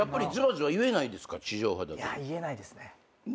いや言えないですね。